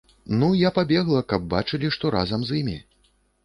Ну, я пабегла, каб бачылі, што разам з імі.